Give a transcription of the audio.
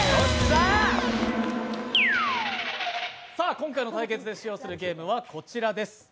今回の対決で使用するゲームはこちらです。